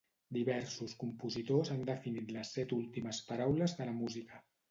Diversos compositors han definit les set últimes paraules de la música.